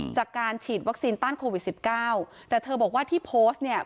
จากการฉีดวัคซีนต้านโควิดสิบเก้าแต่เธอบอกว่าที่โพสต์เนี่ย